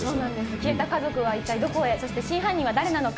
消えた家族は一体どこへ、そして、真犯人は誰なのか？